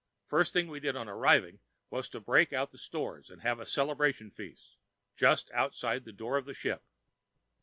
First thing we did on arriving was to break out the stores and have a celebration feast just outside the door of the ship.